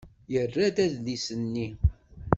Yerra-d adlis-nni.